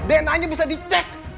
dna nya bisa dicek